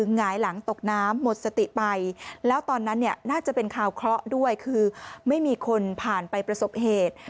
น่าจะเป็นข่าวเคราะห์ด้วยคือไม่มีคนผ่านไปประสบเหตุ